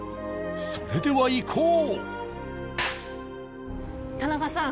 それではいこう！